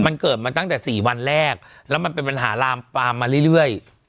มันเกิดมาตั้งแต่สี่วันแรกแล้วมันเป็นปัญหาลามฟาร์มมาเรื่อย